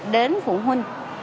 đến phụ huynh